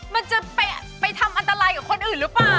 มันจะไปทำอันตรายกับคนอื่นหรือเปล่า